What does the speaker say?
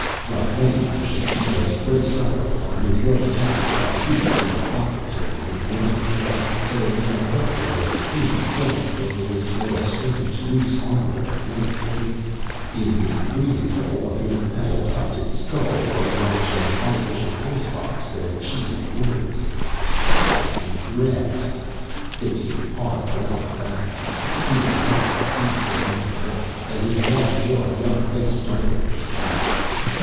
Like many Martians, he was braced upright on his lower tentacles by hoops and buckles around his bladdery body, so that he had roughly a human form, over which lay a strange loose armor of light plates. In the breathing hole of his petal tufted skull was lodged an artificial voice box that achieved words. "I rregrret " Fitzhugh Parr glowered back. He was tall, even for a man of Earth, and his long jawed young face darkened with wrath.